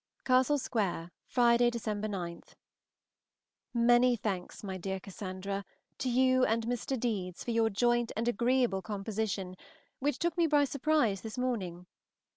CASTLE SQUARE, Friday (December 9). MANY thanks, my dear Cassandra, to you and Mr. Deedes for your joint and agreeable composition, which took me by surprise this morning.